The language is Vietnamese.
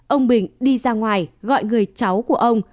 ông bình đi ra ngoài gọi người cháu của ông